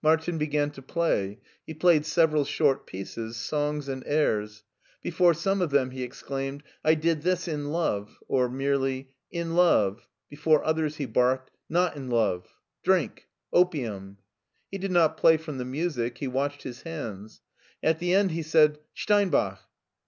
Martin began to play. He played several short pieces, songs and airs. Before some of them, he exclaimed, I did this in love/' or merely, " In love "; bef pre others he barked, " Not in love/' " Drink," " Opium/' He did not play from the music, he watched his hands. At the end he said : •'Steinbach!"